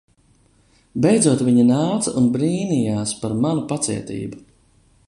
Beidzot viņa nāca un brīnijās par manu pacietību.